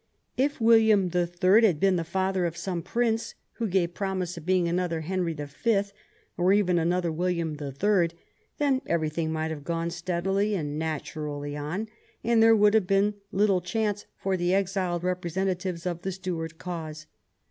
If William the Third had been the father of some prince who gave promise of being another Henry the Fifth, or even another William the Third, then every thing might have gone steadily and naturally on, and there would have seemed little chance for the exiled representatives of the Stuart cause.